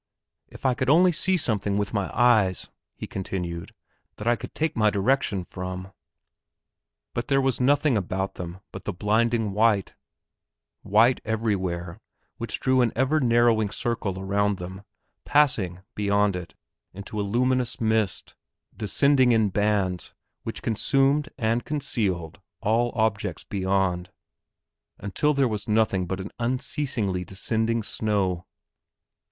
"If I only could see something with my eyes," he continued, "that I could take my direction from." But there was nothing about them but the blinding white, white everywhere which drew an ever narrowing circle about them, passing, beyond it, into a luminous mist descending in bands which consumed and concealed all objects beyond, until there was nothing but the unceasingly descending snow.